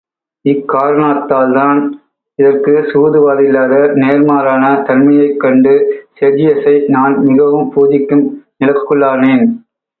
இக்காரணத்தால் தான், இதற்கு சூது வாதில்லாத நேர்மாறான தன்மையைக் கண்டு செர்ஜியசை நான் மிகவும் பூஜிக்கும் நிலக்குள்ளானேன்.